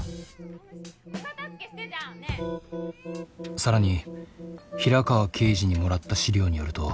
更に平川刑事にもらった資料によると。